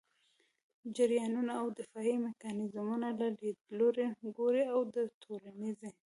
جریانونو او دفاعي میکانیزمونو له لیدلوري ګوري او د ټولنيزې